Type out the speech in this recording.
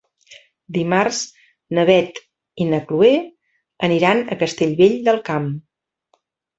Dimarts na Beth i na Chloé aniran a Castellvell del Camp.